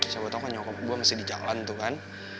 siapa tau kan nyokop gue masih di jalan tuh kan